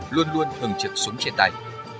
luôn luôn thường trực súng trên tay